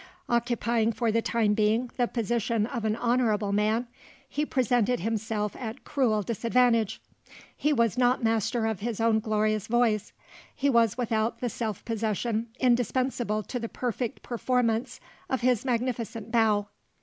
Occupying, for the time being, the position of an honourable man, he presented himself at cruel disadvantage. He was not master of his own glorious voice; he was without the self possession indispensable to the perfect performance of his magnificent bow.